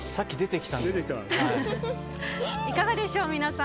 いかがでしょう、皆さん。